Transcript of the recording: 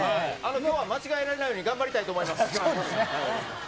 今日は間違えられないように頑張ります。